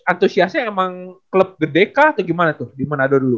antusiasnya emang klub gede kah atau gimana tuh di manado dulu